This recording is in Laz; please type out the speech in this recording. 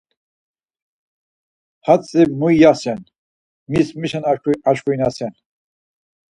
Hatzi muyyasen, mis mişen aşkurinasen.